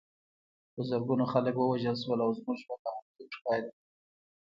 په زرګونو خلک ووژل شول او زموږ ژوند ناممکن ښکاري